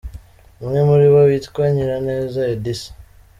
Umwe muri bo witwa Nyiraneza Edissa.